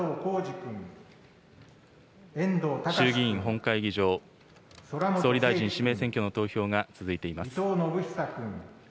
衆議院本会議場、総理大臣指名選挙の投票が続いています。